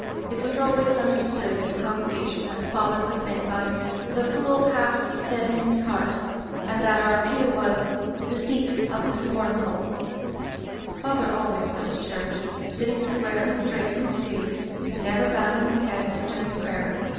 It was always under stood in the congregation that father was meant by ^the fool hath said in his heart/ and that our pew was 'the seat of the scorn ful' "Father always went to church; sitting square and straight in his pew, never bowing his head during prayer.